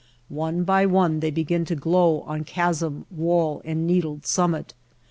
One by one they begin to glow on chasm, wall, and needled summit.